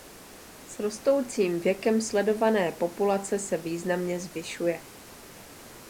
S rostoucím věkem sledované populace se významně zvyšuje.